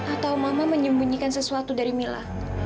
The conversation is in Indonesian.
atau mama menyembunyikan sesuatu dari mila